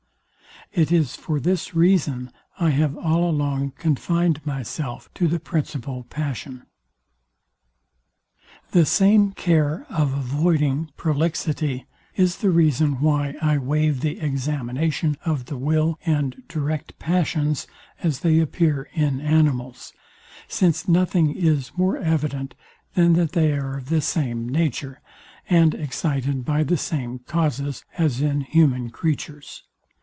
It is for this reason I have all along confined myself to the principal passion. The same care of avoiding prolixity is the reason why I wave the examination of the will and direct passions, as they appear in animals; since nothing is more evident, than that they are of the same nature, and excited by the same causes as in human creatures.